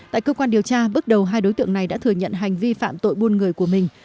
tại cơ quan điều tra bước đầu hai đối tượng này đã thừa nhận hành vi phạm tội buôn người của mình